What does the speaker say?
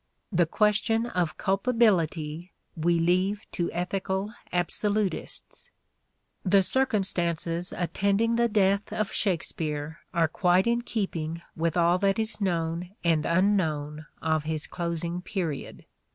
The question of culpability we leave to ethical absolutists. Obituary The circumstances attending the death of Shakspere are quite in keeping with all that is known and un known of his closing period.